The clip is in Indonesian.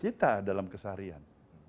kita dalam kesaharian